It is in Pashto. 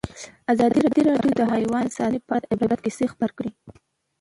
ازادي راډیو د حیوان ساتنه په اړه د عبرت کیسې خبر کړي.